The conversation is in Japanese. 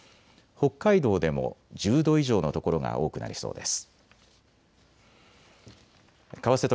北海道でも１０度以上の所が多くなりそうです。